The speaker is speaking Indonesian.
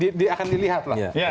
di sini akan dilihat lah